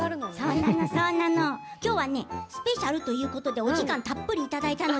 きょうはスペシャルということでお時間をたっぷりいただきました。